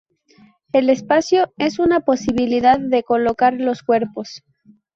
El espacio es una posibilidad de colocar los cuerpos.